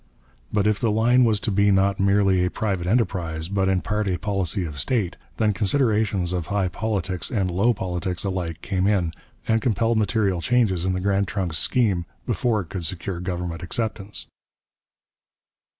But if the line was to be not merely a private enterprise, but in part a policy of state, then considerations of high politics and low politics alike came in, and compelled material changes in the Grand Trunk's scheme before it could secure government acceptance.